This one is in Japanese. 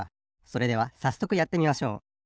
それではさっそくやってみましょう。